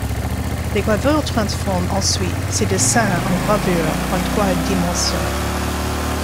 Les graveurs transforment ensuite ces dessins en gravures en trois dimensions.